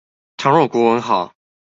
倘若我國文好